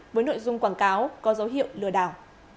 với nội dung quảng cáo có dấu hiệu lừa đảo